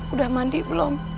udah mandi belum